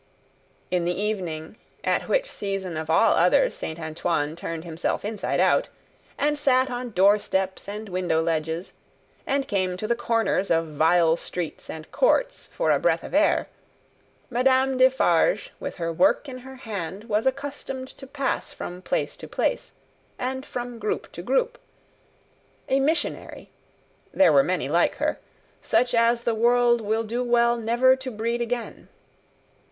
In the evening, at which season of all others Saint Antoine turned himself inside out, and sat on door steps and window ledges, and came to the corners of vile streets and courts, for a breath of air, Madame Defarge with her work in her hand was accustomed to pass from place to place and from group to group: a Missionary there were many like her such as the world will do well never to breed again.